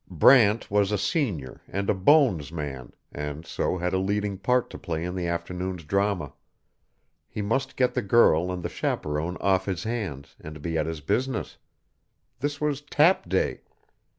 Brant was a senior and a "Bones" man, and so had a leading part to play in the afternoon's drama. He must get the girl and the chaperon off his hands, and be at his business. This was "Tap Day."